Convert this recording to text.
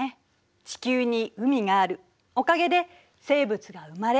地球に海があるおかげで生物が生まれ進化した。